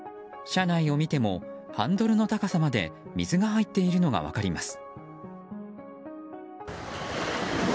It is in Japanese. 車内を見てもハンドルの高さまで水が入っているのが分かります。